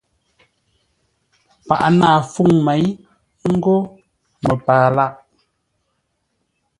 Pə náa fúŋ méi ńgó məpaa lâʼ.